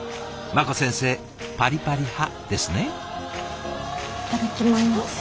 茉子先生パリパリ派ですね。